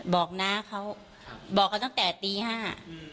บอกหน้าเขาบอกเขาตั้งแต่ตีห้า